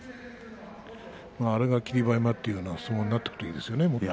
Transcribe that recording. あれが霧馬山というような相撲になっていくといいですね。